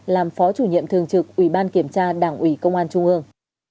làm phó chủ nhiệm thường trực ủy ban kiểm tra đảng ủy công an trung ương